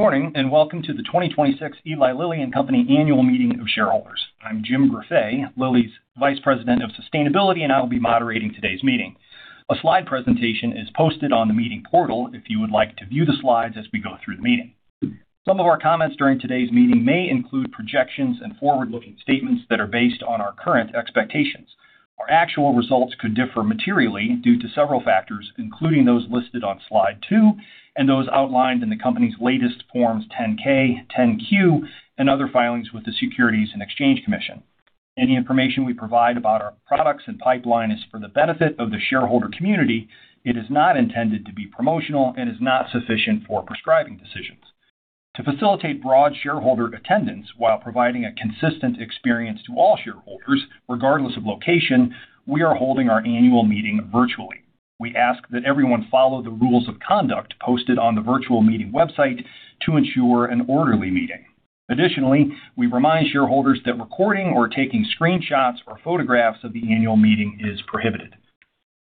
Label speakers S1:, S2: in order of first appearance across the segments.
S1: Good morning, and welcome to the 2026 Eli Lilly and Company Annual Meeting of Shareholders. I'm Jim Greffet, Lilly's Vice President of Sustainability, and I will be moderating today's meeting. A slide presentation is posted on the meeting portal if you would like to view the slides as we go through the meeting. Some of our comments during today's meeting may include projections and forward-looking statements that are based on our current expectations. Our actual results could differ materially due to several factors, including those listed on slide two and those outlined in the company's latest Forms 10-K, 10-Q, and other filings with the Securities and Exchange Commission. Any information we provide about our products and pipeline is for the benefit of the shareholder community. It is not intended to be promotional and is not sufficient for prescribing decisions. To facilitate broad shareholder attendance while providing a consistent experience to all shareholders, regardless of location, we are holding our annual meeting virtually. We ask that everyone follow the rules of conduct posted on the virtual meeting website to ensure an orderly meeting. Additionally, we remind shareholders that recording or taking screenshots or photographs of the annual meeting is prohibited.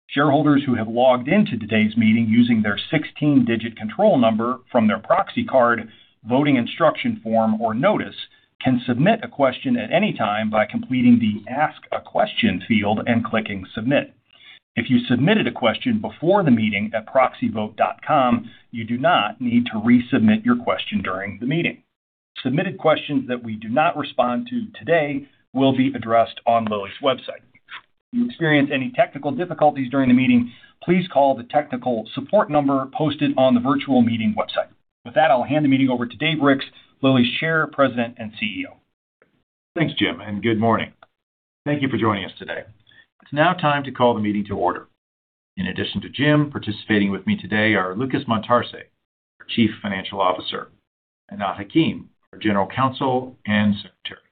S1: Shareholders who have logged into today's meeting using their 16-digit control number from their proxy card, voting instruction form, or notice can submit a question at any time by completing the Ask a Question field and clicking Submit. If you submitted a question before the meeting at proxyvote.com, you do not need to resubmit your question during the meeting. Submitted questions that we do not respond to today will be addressed on Lilly's website. If you experience any technical difficulties during the meeting, please call the technical support number posted on the virtual meeting website. With that, I'll hand the meeting over to Dave Ricks, Lilly's Chair, President, and CEO.
S2: Thanks, Jim. Good morning. Thank you for joining us today. It's now time to call the meeting to order. In addition to Jim, participating with me today are Lucas Montarce, our Chief Financial Officer, Anat Hakim, our General Counsel and Secretary,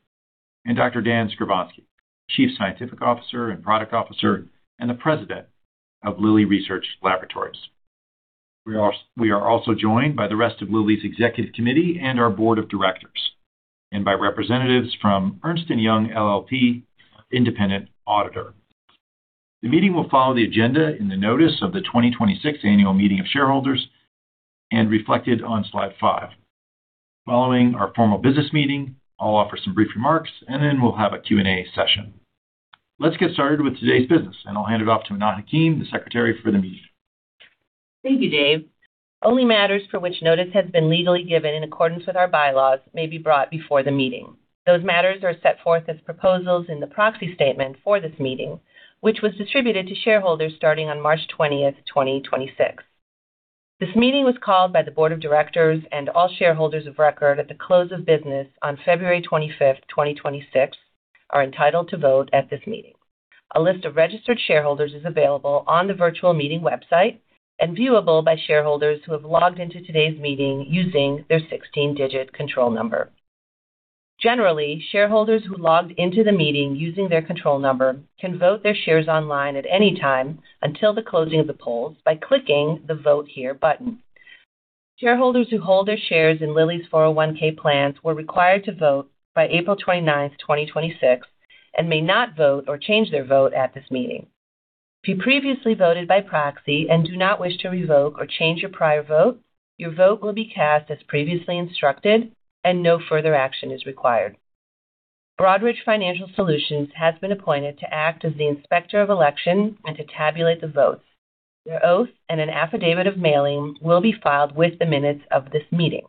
S2: and Dr. Daniel Skovronsky, Chief Scientific Officer and Product Officer and the President of Lilly Research Laboratories. We are also joined by the rest of Lilly's executive committee and our board of directors and by representatives from Ernst & Young LLP, our independent auditor. The meeting will follow the agenda in the notice of the 2026 annual meeting of shareholders and reflected on slide five. Following our formal business meeting, I'll offer some brief remarks. Then we'll have a Q&A session. Let's get started with today's business. I'll hand it off to Anat Hakim, the secretary for the meeting.
S3: Thank you, Dave. Only matters for which notice has been legally given in accordance with our bylaws may be brought before the meeting. Those matters are set forth as proposals in the proxy statement for this meeting, which was distributed to shareholders starting on March 20th, 2026. This meeting was called by the board of directors. All shareholders of record at the close of business on February 25th, 2026 are entitled to vote at this meeting. A list of registered shareholders is available on the virtual meeting website and viewable by shareholders who have logged into today's meeting using their 16-digit control number. Generally, shareholders who logged into the meeting using their control number can vote their shares online at any time until the closing of the polls by clicking the Vote Here button. Shareholders who hold their shares in Lilly's 401(k) plans were required to vote by April 29th, 2026 and may not vote or change their vote at this meeting. If you previously voted by proxy and do not wish to revoke or change your prior vote, your vote will be cast as previously instructed and no further action is required. Broadridge Financial Solutions has been appointed to act as the inspector of election and to tabulate the votes. Their oath and an affidavit of mailing will be filed with the minutes of this meeting.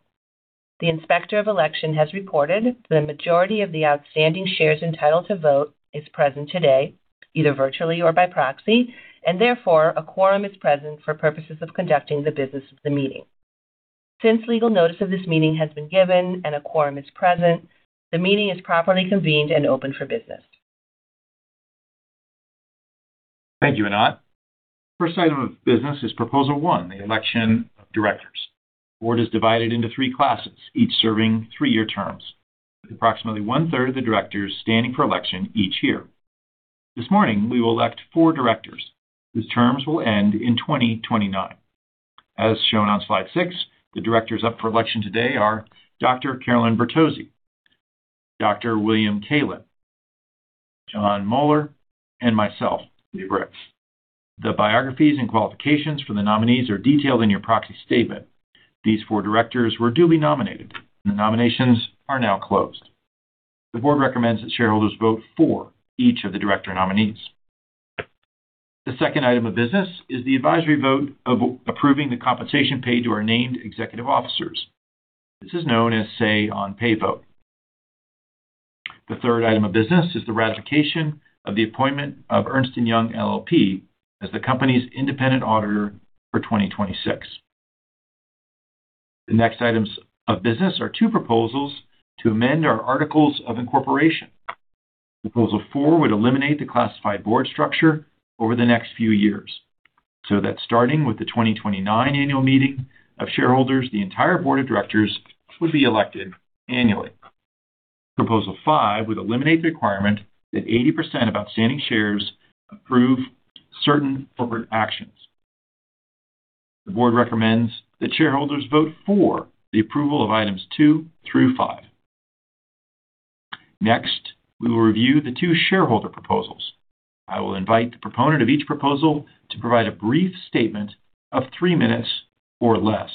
S3: The inspector of election has reported the majority of the outstanding shares entitled to vote is present today, either virtually or by proxy, and therefore, a quorum is present for purposes of conducting the business of the meeting. Since legal notice of this meeting has been given and a quorum is present, the meeting is properly convened and open for business.
S2: Thank you, Anat. First item of business is Proposal 1, the election of directors. The board is divided into three classes, each serving three-year terms, with approximately 1/3 of the directors standing for election each year. This morning, we will elect four directors whose terms will end in 2029. As shown on slide six, the directors up for election today are Dr. Carolyn Bertozzi, Dr. William Kaelin, Jon Moeller, and myself, Dave Ricks. The biographies and qualifications for the nominees are detailed in your proxy statement. These four directors were duly nominated. The nominations are now closed. The board recommends that shareholders vote for each of the director nominees. The second item of business is the advisory vote of approving the compensation paid to our named executive officers. This is known as Say on Pay vote. The third item of business is the ratification of the appointment of Ernst & Young LLP as the company's independent auditor for 2026. The next items of business are two proposals to amend our articles of incorporation. Proposal 4 would eliminate the classified board structure over the next few years so that starting with the 2029 annual meeting of shareholders, the entire board of directors would be elected annually. Proposal 5 would eliminate the requirement that 80% of outstanding shares approve certain corporate actions. The board recommends that shareholders vote for the approval of items two through five. We will review the two shareholder proposals. I will invite the proponent of each proposal to provide a brief statement of three minutes or less.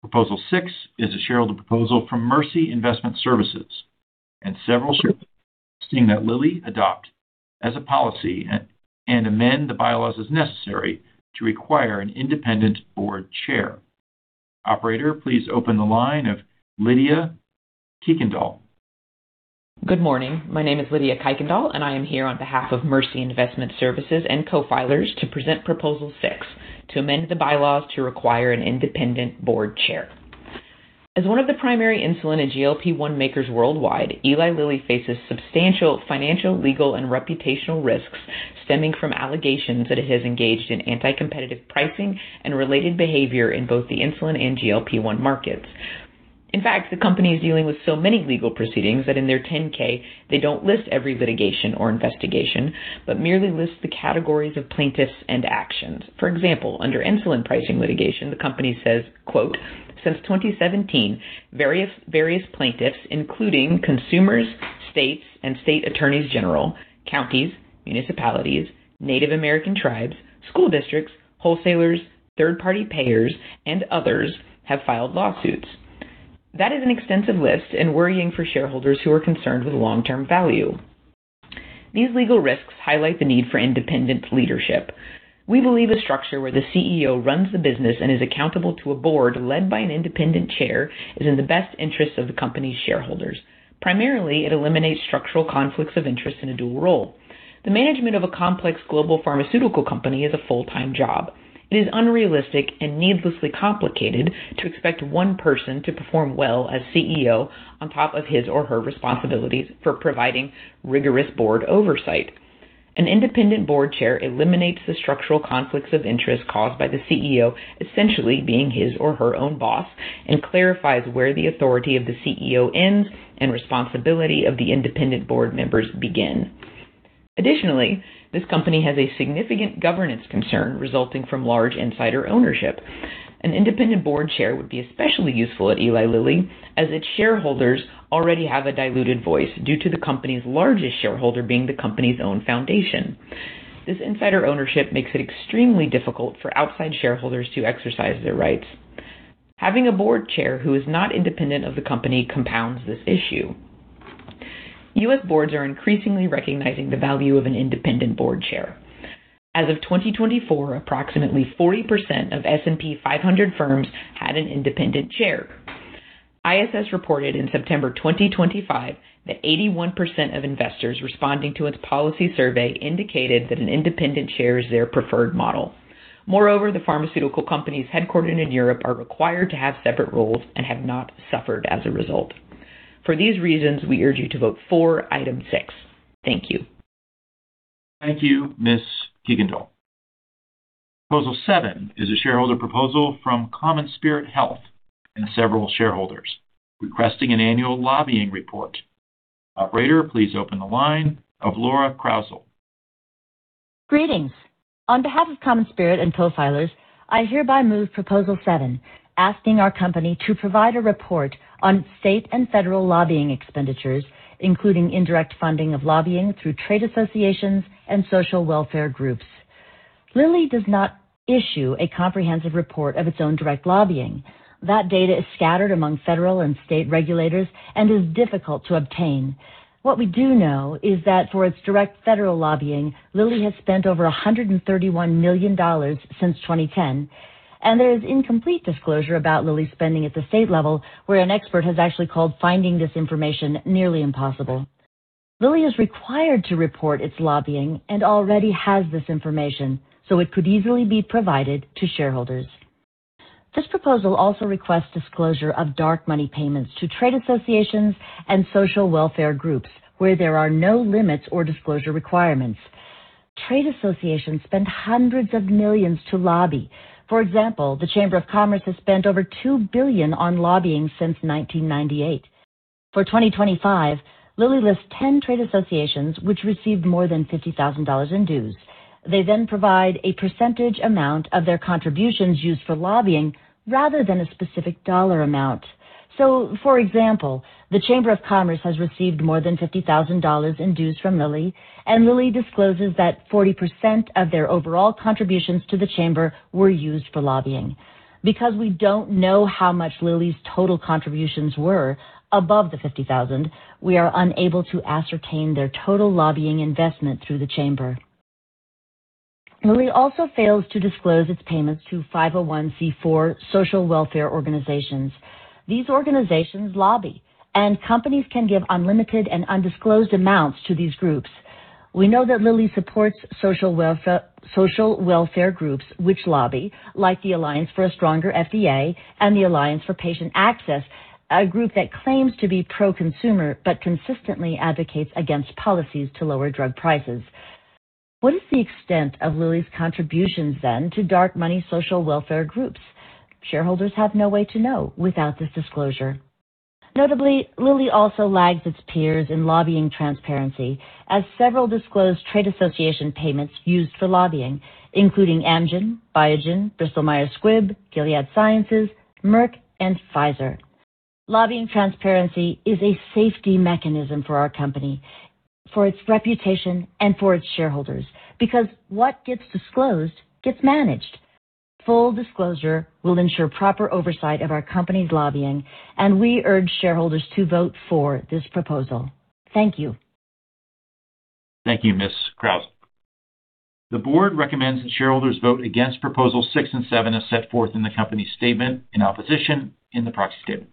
S2: Proposal 6 is a shareholder proposal from Mercy Investment Services and several shareholders seeking that Lilly adopt as a policy and amend the bylaws as necessary to require an independent board chair. Operator, please open the line of Lydia Kuykendall.
S4: Good morning. My name is Lydia Kuykendall, and I am here on behalf of Mercy Investment Services and co-filers to present Proposal 6, to amend the bylaws to require an independent board chair. As one of the primary insulin and GLP-1 makers worldwide, Eli Lilly faces substantial financial, legal, and reputational risks stemming from allegations that it has engaged in anti-competitive pricing and related behavior in both the insulin and GLP-1 markets. In fact, the company is dealing with so many legal proceedings that in their 10-K they don't list every litigation or investigation, but merely list the categories of plaintiffs and actions. For example, under insulin pricing litigation, the company says, quote, "Since 2017 various plaintiffs, including consumers, states and state attorneys general, counties, municipalities, Native American tribes, school districts, wholesalers, third-party payers, and others have filed lawsuits." That is an extensive list and worrying for shareholders who are concerned with long-term value. These legal risks highlight the need for independent leadership. We believe a structure where the CEO runs the business and is accountable to a board led by an independent chair is in the best interest of the company's shareholders. Primarily, it eliminates structural conflicts of interest in a dual role. The management of a complex global pharmaceutical company is a full-time job. It is unrealistic and needlessly complicated to expect one person to perform well as CEO on top of his or her responsibilities for providing rigorous board oversight. An independent board chair eliminates the structural conflicts of interest caused by the CEO essentially being his or her own boss, and clarifies where the authority of the CEO ends and responsibility of the independent board members begin. Additionally, this company has a significant governance concern resulting from large insider ownership. An independent board chair would be especially useful at Eli Lilly as its shareholders already have a diluted voice due to the company's largest shareholder being the company's own foundation. This insider ownership makes it extremely difficult for outside shareholders to exercise their rights. Having a board chair who is not independent of the company compounds this issue. U.S. boards are increasingly recognizing the value of an independent board chair. As of 2024, approximately 40% of S&P 500 firms had an independent chair. ISS reported in September 2025 that 81% of investors responding to its policy survey indicated that an independent chair is their preferred model. The pharmaceutical companies headquartered in Europe are required to have separate roles and have not suffered as a result. For these reasons, we urge you to vote for item six. Thank you.
S2: Thank you, Ms. Kuykendall. Proposal seven is a shareholder proposal from CommonSpirit Health and several shareholders requesting an annual lobbying report. Operator, please open the line of Laura Kraus.
S5: Greetings. On behalf of CommonSpirit Health and co-filers, I hereby move Proposal 7, asking our company to provide a report on state and federal lobbying expenditures, including indirect funding of lobbying through trade associations and social welfare groups. Lilly does not issue a comprehensive report of its own direct lobbying. That data is scattered among federal and state regulators and is difficult to obtain. What we do know is that for its direct federal lobbying, Lilly has spent over $131 million since 2010, and there is incomplete disclosure about Lilly's spending at the state level, where an expert has actually called finding this information nearly impossible. Lilly is required to report its lobbying and already has this information, so it could easily be provided to shareholders. This proposal also requests disclosure of dark money payments to trade associations and social welfare groups where there are no limits or disclosure requirements. Trade associations spend hundreds of millions to lobby. For example, the Chamber of Commerce has spent over $2 billion on lobbying since 1998. For 2025, Lilly lists 10 trade associations which received more than $50,000 in dues. They provide a percentage amount of their contributions used for lobbying rather than a specific dollar amount. For example, the Chamber of Commerce has received more than $50,000 in dues from Lilly, and Lilly discloses that 40% of their overall contributions to the Chamber were used for lobbying. Because we don't know how much Lilly's total contributions were above the $50,000, we are unable to ascertain their total lobbying investment through the Chamber. Lilly also fails to disclose its payments to 501(c)(4) social welfare organizations. These organizations lobby, and companies can give unlimited and undisclosed amounts to these groups. We know that Lilly supports social welfare groups which lobby like the Alliance for a Stronger FDA and the Alliance for Patient Access, a group that claims to be pro-consumer but consistently advocates against policies to lower drug prices. What is the extent of Lilly's contributions then to dark money social welfare groups? Shareholders have no way to know without this disclosure. Notably, Lilly also lags its peers in lobbying transparency as several disclosed trade association payments used for lobbying, including Amgen, Biogen, Bristol Myers Squibb, Gilead Sciences, Merck, and Pfizer. Lobbying transparency is a safety mechanism for our company, for its reputation and for its shareholders, because what gets disclosed gets managed. Full disclosure will ensure proper oversight of our company's lobbying, and we urge shareholders to vote for this proposal. Thank you.
S2: Thank you, Ms. Krauss. The board recommends that shareholders vote against Proposals six and seven as set forth in the company's statement in opposition in the proxy statement.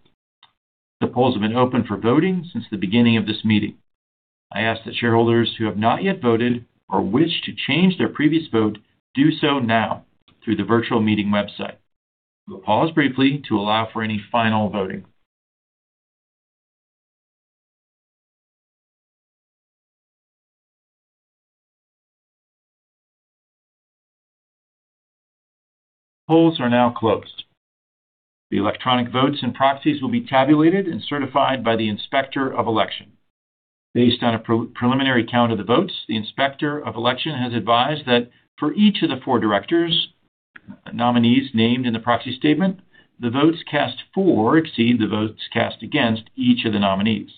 S2: The polls have been open for voting since the beginning of this meeting. I ask that shareholders who have not yet voted or wish to change their previous vote do so now through the virtual meeting website. We'll pause briefly to allow for any final voting. Polls are now closed. The electronic votes and proxies will be tabulated and certified by the Inspector of Election. Based on a pre-preliminary count of the votes, the Inspector of Election has advised that for each of the four directors, nominees named in the proxy statement, the votes cast for exceed the votes cast against each of the nominees.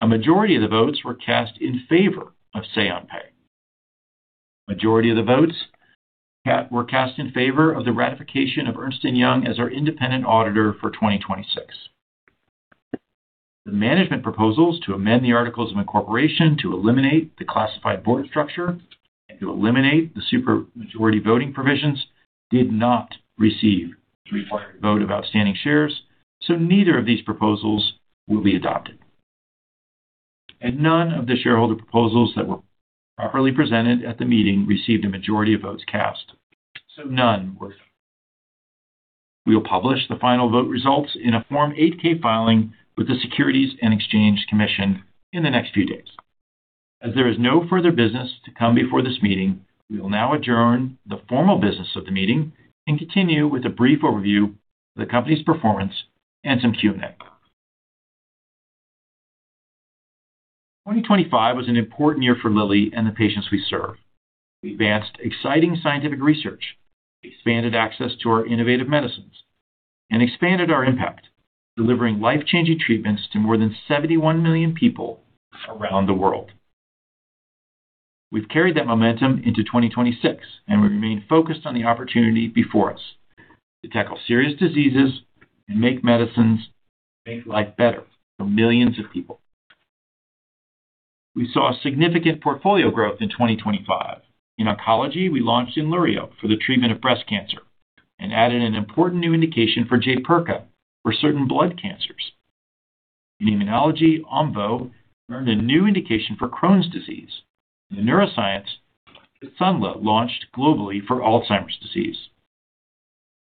S2: A majority of the votes were cast in favor of uncertain. Majority of the votes were cast in favor of the ratification of Ernst & Young as our independent auditor for 2026. The management proposals to amend the articles of incorporation to eliminate the classified board structure and to eliminate the super majority voting provisions did not receive the required vote of outstanding shares. Neither of these proposals will be adopted. None of the shareholder proposals that were properly presented at the meeting received a majority of votes cast. None were. We will publish the final vote results in a Form 8-K filing with the Securities and Exchange Commission in the next few days. There is no further business to come before this meeting, we will now adjourn the formal business of the meeting and continue with a brief overview of the company's performance and some Q&A. 2025 was an important year for Lilly and the patients we serve. We advanced exciting scientific research, expanded access to our innovative medicines, and expanded our impact, delivering life-changing treatments to more than 71 million people around the world. We've carried that momentum into 2026, and we remain focused on the opportunity before us to tackle serious diseases and make medicines make life better for millions of people. We saw significant portfolio growth in 2025. In oncology, we launched Imdelltra for the treatment of breast cancer and added an important new indication for Jaypirca for certain blood cancers. In immunology, Omvoh earned a new indication for Crohn's disease. In the neuroscience, Kisunla launched globally for Alzheimer's disease.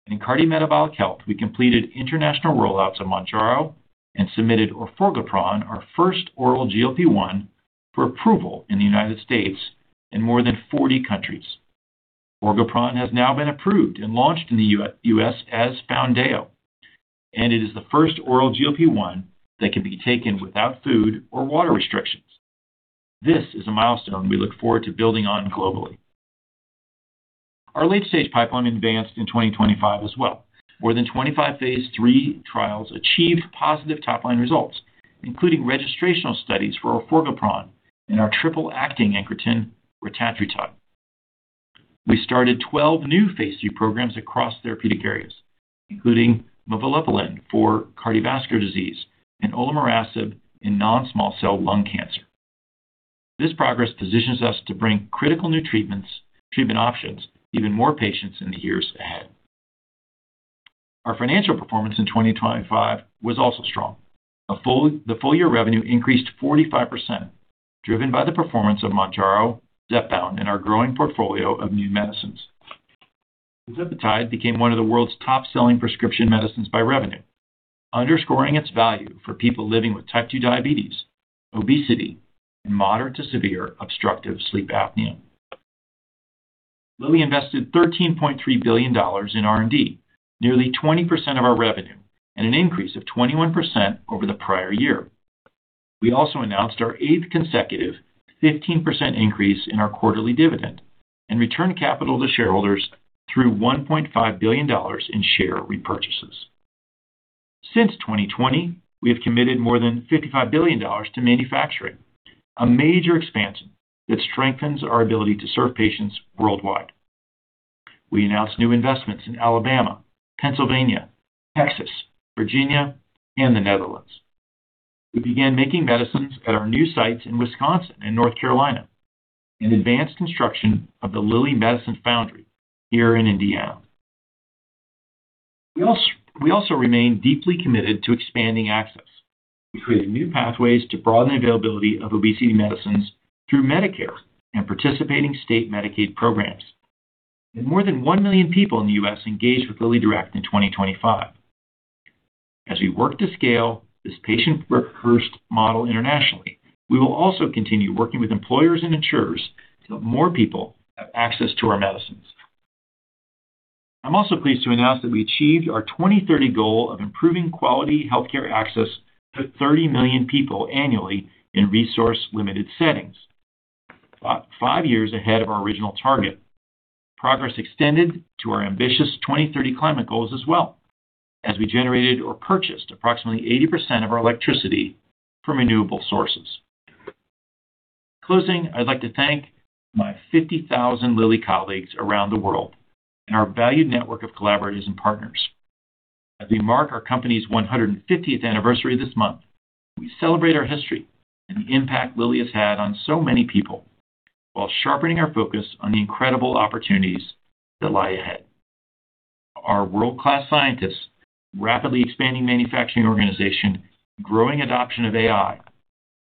S2: In cardiometabolic health, we completed international rollouts of Mounjaro and submitted Orforglipron, our first oral GLP-1, for approval in the United States and more than 40 countries. Orforglipron has now been approved and launched in the U.S. as Foundayo. It is the first oral GLP-1 that can be taken without food or water restrictions. This is a milestone we look forward to building on globally. Our late-stage pipeline advanced in 2025 as well. More than 25 phase III trials achieved positive top-line results, including registrational studies for Orforglipron and our triple-acting incretin, retatrutide. We started 12 new phase II programs across therapeutic areas, including muvalaplin for cardiovascular disease and olomorasib in non-small cell lung cancer. This progress positions us to bring critical new treatment options to even more patients in the years ahead. Our financial performance in 2025 was also strong. The full-year revenue increased 45%, driven by the performance of Mounjaro, Zepbound, and our growing portfolio of new medicines. Uncertain became one of the world's top-selling prescription medicines by revenue, underscoring its value for people living with type 2 diabetes, obesity, and moderate to severe obstructive sleep apnea. Lilly invested $13.3 billion in R&D, nearly 20% of our revenue and an increase of 21% over the prior year. We announced our eighth consecutive 15% increase in our quarterly dividend and returned capital to shareholders through $1.5 billion in share repurchases. Since 2020, we have committed more than $55 billion to manufacturing, a major expansion that strengthens our ability to serve patients worldwide. We announced new investments in Alabama, Pennsylvania, Texas, Virginia, and the Netherlands. We began making medicines at our new sites in Wisconsin and North Carolina and advanced construction of the Lilly Medicine Foundry here in Indiana. We also remain deeply committed to expanding access. We created new pathways to broaden availability of obesity medicines through Medicare and participating state Medicaid programs. More than 1 million people in the U.S. engaged with LillyDirect in 2025. As we work to scale this patient-first model internationally, we will also continue working with employers and insurers so more people have access to our medicines. I'm also pleased to announce that we achieved our 2030 goal of improving quality healthcare access to 30 million people annually in resource-limited settings. five years ahead of our original target. Progress extended to our ambitious 2030 climate goals as well, as we generated or purchased approximately 80% of our electricity from renewable sources. In closing, I'd like to thank my 50,000 Lilly colleagues around the world and our valued network of collaborators and partners. As we mark our company's 150th anniversary this month, we celebrate our history and the impact Lilly has had on so many people while sharpening our focus on the incredible opportunities that lie ahead. Our world-class scientists, rapidly expanding manufacturing organization, growing adoption of AI,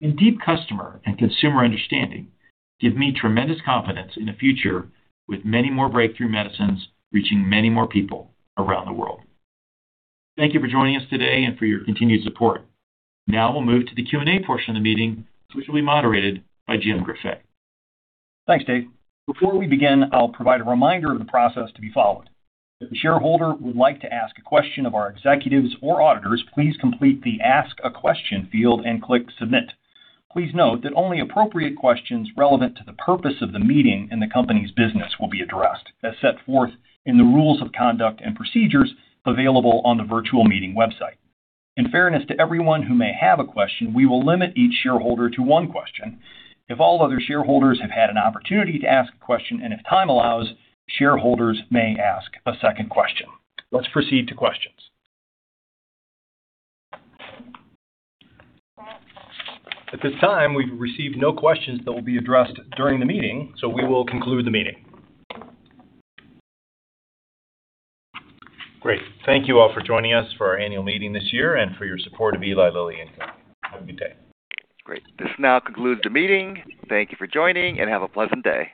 S2: and deep customer and consumer understanding give me tremendous confidence in a future with many more breakthrough medicines reaching many more people around the world. Thank you for joining us today and for your continued support. Now we'll move to the Q&A portion of the meeting, which will be moderated by Jim Greffet.
S1: Thanks, Dave. Before we begin, I'll provide a reminder of the process to be followed. If a shareholder would like to ask a question of our executives or auditors, please complete the Ask a Question field and click Submit. Please note that only appropriate questions relevant to the purpose of the meeting and the company's business will be addressed, as set forth in the rules of conduct and procedures available on the virtual meeting website. In fairness to everyone who may have a question, we will limit each shareholder to one question. If all other shareholders have had an opportunity to ask a question, and if time allows, shareholders may ask a second question. Let's proceed to questions. At this time, we've received no questions that will be addressed during the meeting, so we will conclude the meeting.
S2: Great. Thank you all for joining us for our annual meeting this year and for your support of Eli Lilly and Company. Have a good day.
S1: Great. This now concludes the meeting. Thank you for joining, and have a pleasant day.